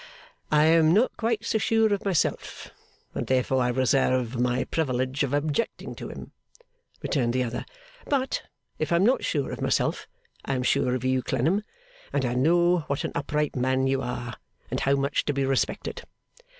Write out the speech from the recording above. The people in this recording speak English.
'I am not quite so sure of myself, and therefore I reserve my privilege of objecting to him,' returned the other. 'But, if I am not sure of myself, I am sure of you, Clennam, and I know what an upright man you are, and how much to be respected.